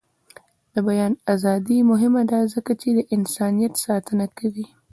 د بیان ازادي مهمه ده ځکه چې د انسانیت ساتنه کوي.